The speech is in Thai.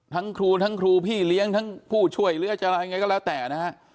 ทั้งครูทั้งครูพี่เลี้ยงทั้งผู้ช่วยหรือจะอะไรยังไงก็แล้วแต่นะฮะ